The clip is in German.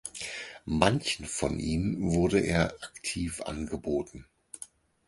Manchen von ihnen wurde er aktiv angeboten.